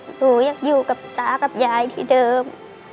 หนูยังอยู่กับตากับยายที่เดิม